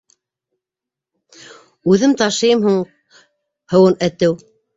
- Үҙем ташыйым һуң һыуын әтеү?